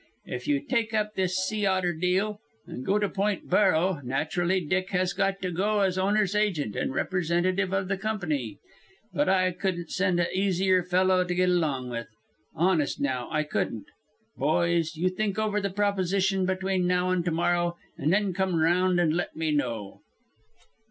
If you take up this sea otter deal and go to Point Barrow, naturally Nick has got to go as owner's agent and representative of the Comp'ny. But I couldn't send a easier fellow to get along with. Honest, now, I couldn't. Boys, you think over the proposition between now and tomorrow an' then come around and let me know."